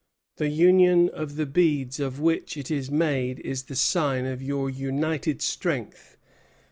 The union of the beads of which it is made is the sign of your united strength.